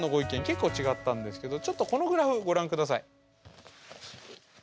結構違ったんですけどちょっとこのグラフご覧下さい。